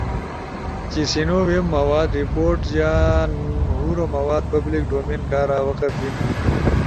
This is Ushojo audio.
چی سینو ویب مواد، رپورٹس یا نور مواد پبلک ڈومین کارا وقف بینا۔